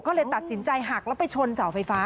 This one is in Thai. ก็เลยตัดสินใจหักแล้วไปชนเสาไฟฟ้า